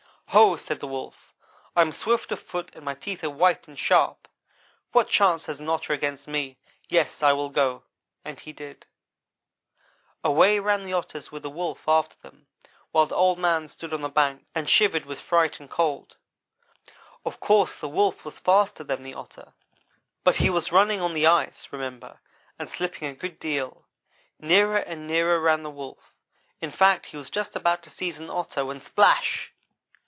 "'Ho!' said the Wolf, 'I am swift of foot and my teeth are white and sharp. What chance has an Otter against me? Yes, I will go,' and he did. "Away ran the Otters with the Wolf after them, while Old man stood on the bank and shivered with fright and cold. Of course the Wolf was faster than the Otter, but he was running on the ice, remember, and slipping a good deal. Nearer and nearer ran the Wolf. In fact he was just about to seize an Otter, when SPLASH!